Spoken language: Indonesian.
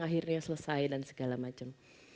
akhirnya selesai dan segala macam